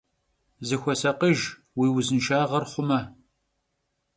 Zıxuesakhıjj, vui vuzınşşağer xhume!